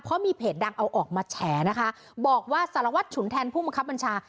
เพราะมีเพจดังเอาออกมาแฉนะคะบอกว่าสารวัตรฉุนแทนผู้บังคับบัญชา